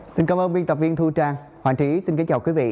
xin cảm ơn biên tập viên thu trang hoàng trí xin kính chào quý vị